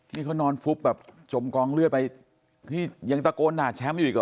นี่เขานอนฟุบแบบจมกองเลือดไปนี่ยังตะโกนด่าแชมป์อยู่อีกเหรอ